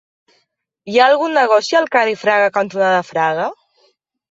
Hi ha algun negoci al carrer Fraga cantonada Fraga?